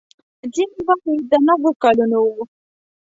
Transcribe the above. ځینې وايي د نهو کلونو و.